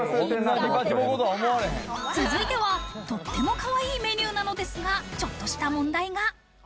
続いては、とってもかわいいメニューなのですが、ちょっとした問題が。